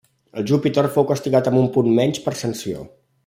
El Júpiter fou castigat amb un punt menys per sanció.